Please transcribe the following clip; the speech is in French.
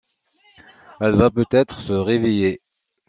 Elle va peut-être se réveiller.